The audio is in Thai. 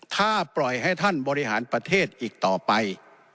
ถ้าปล่อยให้ท่านบริหารประเทศอีกต่อไป